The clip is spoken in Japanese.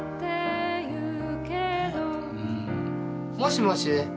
もしもし。